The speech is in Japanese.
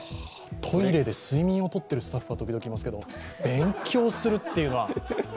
トイレで睡眠をとってるスタッフは時々いますけど勉強するっていうのは。